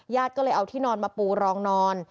ก็เลยเอาที่นอนมาปูรองนอน